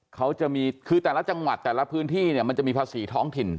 เขาจะมีคือแต่ละจังหวัดแต่ละพื้นที่เนี่ยมันจะมีภาษีท้องถิ่น